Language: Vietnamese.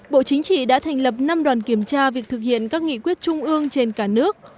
bộ chính trị đã thành lập năm đoàn kiểm tra việc thực hiện các nghị quyết trung ương trên cả nước